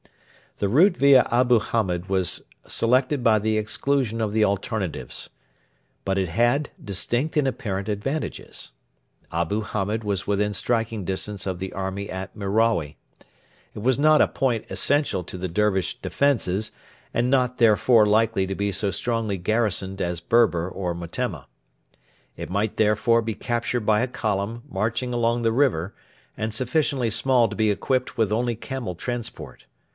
The route via Abu Hamed was selected by the exclusion of the alternatives. But it had distinct and apparent advantages. Abu Hamed was within striking distance of the army at Merawi. It was not a point essential to the Dervish defences, and not, therefore, likely to be so strongly garrisoned as Berber or Metemma. It might, therefore, be captured by a column marching along the river, and sufficiently small to be equipped with only camel transport.